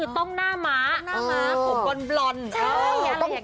ต่องหน้าหม้าหกบร้อน๊บร่อน